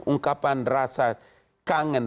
ungkapan rasa kangen